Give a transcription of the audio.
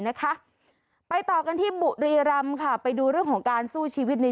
นะคะไปต่อกันที่บุรีรำค่ะไปดูเรื่องของการสู้ชีวิตใน